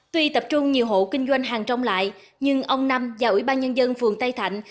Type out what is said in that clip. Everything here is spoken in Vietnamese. tuy tập trung nhiều hộ kinh doanh hàng trong lại nhưng ông năm và ủy ban nhân dân phường tây thạnh